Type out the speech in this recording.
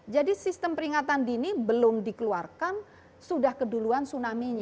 sistem peringatan dini belum dikeluarkan sudah keduluan tsunami nya